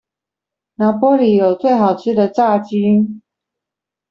拿坡里有最好吃的炸雞